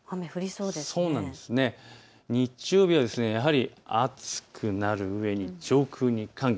日曜日は暑くなるうえに上空に寒気。